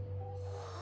はあ。